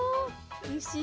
おいしい。